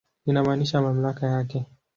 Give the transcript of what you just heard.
Linamaanisha mamlaka yake.